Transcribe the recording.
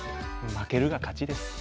負けるが勝ちです。